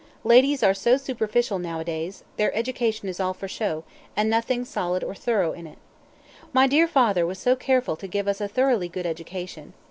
Ladies are so superficial nowadays; their education is all for show, and nothing solid or thorough in it. My dear father was so careful to give us a thoroughly good education.